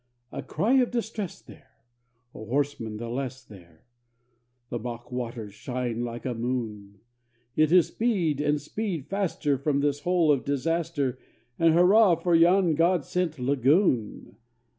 A cry of distress there! a horseman the less there! The mock waters shine like a moon! It is "Speed, and speed faster from this hole of disaster! And hurrah for yon God sent lagoon!"